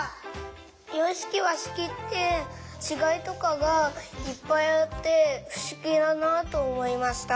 ようしきわしきってちがいとかがいっぱいあってふしぎだなとおもいました。